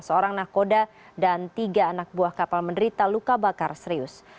seorang nakoda dan tiga anak buah kapal menderita luka bakar serius